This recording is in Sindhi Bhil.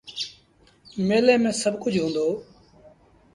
ميلي مييٚن سڀ ڪجھ هُݩدو۔